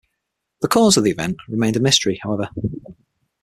The cause of the event remained a mystery, however.